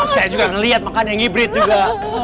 saya juga lihat makanya ngibrit juga